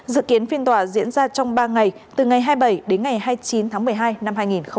dự kiến phiên tòa diễn ra trong ba ngày từ ngày hai mươi bảy đến ngày hai mươi chín tháng một mươi hai năm hai nghìn hai mươi